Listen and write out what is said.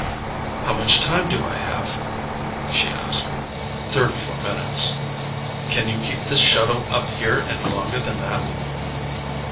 "How much time do I have?" she asked. "Thirty four minutes." "Can you keep this shuttle up here any longer than that?"